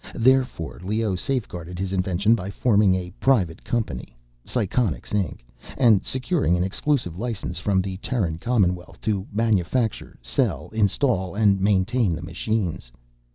Therefore Leoh safeguarded his invention by forming a private company—Psychonics, Inc.—and securing an exclusive license from the Terran Commonwealth to manufacture, sell, install and maintain the machines.